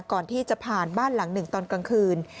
ก่อนที่จะผ่านบ้านหลังหนึ่งตอนกลางคืน